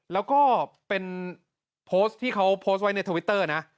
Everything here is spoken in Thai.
แล้วก็เป็นโพสต์ที่เขาโพสต์ไว้ในทวิตเตอร์นะ